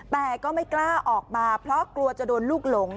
แต่ก็ไม่กล้าออกมาเพราะกลัวจะโดนลูกหลง